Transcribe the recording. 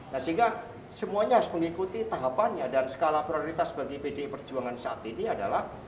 nah sehingga semuanya harus mengikuti tahapannya dan skala prioritas bagi pdi perjuangan saat ini adalah